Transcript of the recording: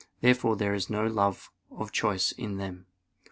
Therefore there is no love of choice in them.